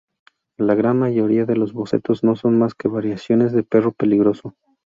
La gran mayoría de los bocetos no son más que variaciones de Perro Peligroso.